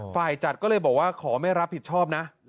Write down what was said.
ฝ่ายจัดก็เลยบอกว่าขอไม่รับผิดชอบนะ